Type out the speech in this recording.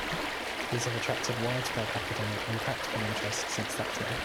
These have attracted widespread academic and practical interest since that time.